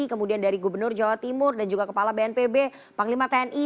kemudian dari gubernur jawa timur dan juga kepala bnpb panglima tni